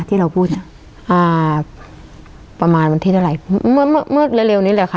ที่เราพูดอ่าประมาณที่เท่าไรเมื่อเมื่อเร็วเร็วนิดเลยค่ะ